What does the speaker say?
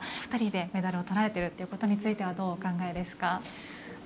２人でメダルを取られているということについてはどう考えですか。